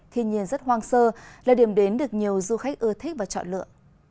thiên nhiên rất hoang sơ là điểm đến được nhiều du khách ưa thích và chọn lựa